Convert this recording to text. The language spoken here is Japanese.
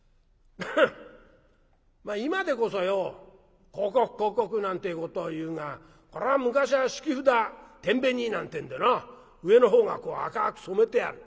「今でこそよ広告広告なんてことを言うがこれは昔は引き札なんてんでな上の方が赤く染めてある。